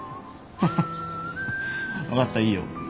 ハハ分かったいいよ。